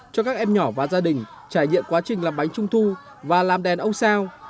cho các em nhỏ và gia đình trải nghiệm quá trình làm bánh trung thu và làm đèn ông sao